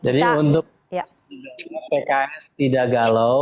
jadi untuk pks tidak galau